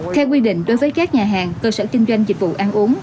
theo quy định đối với các nhà hàng cơ sở kinh doanh dịch vụ ăn uống